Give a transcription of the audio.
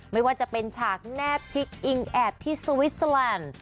ไม่ว่าจะเป็นฉากแนบชิคอิงแอบที่สวิสเตอร์แลนด์